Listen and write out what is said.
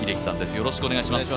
よろしくお願いします。